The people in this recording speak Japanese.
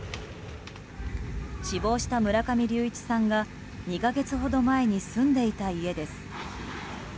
死亡した村上隆一さんが２か月ほど前に住んでいた家です。